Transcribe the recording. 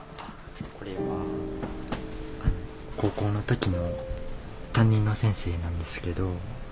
これは高校の時の担任の先生なんですけど